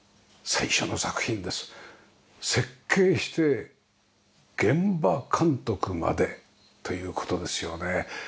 設計して現場監督までという事ですよね。